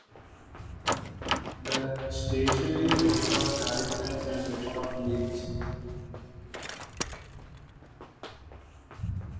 The station is west of Halifax and west of Leeds.